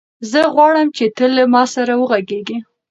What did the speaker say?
زه غواړم چې ته له ما سره وغږېږې.